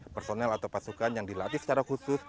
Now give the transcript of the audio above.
personel atau pasukan yang dilatih secara khusus